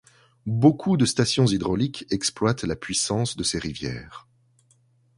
Beaucoup de stations hydrauliques exploitent la puissance de ces rivières.